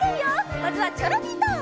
まずはチョロミーと。